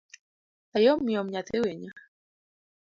Ayomyom nyathi winyo